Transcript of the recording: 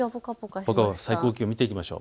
最高気温見ていきましょう。